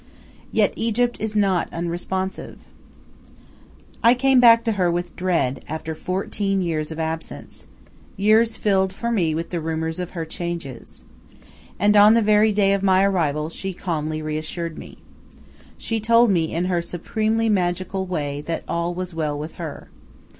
Yet Egypt is not unresponsive. I came back to her with dread, after fourteen years of absence years filled for me with the rumors of her changes. And on the very day of my arrival she calmly reassured me. She told me in her supremely magical way that all was well with her.